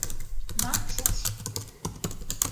На, шупш.